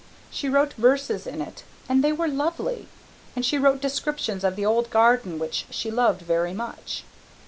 She wrote verses in it and they were lovely; and she wrote descriptions of the old garden which she loved very much.